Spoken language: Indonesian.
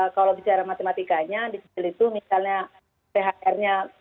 kalau bicara matematikanya dicicil itu misalnya thr nya